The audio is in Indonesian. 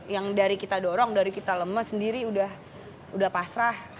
yang dari kita dorong dari kita lemes sendiri udah pasrah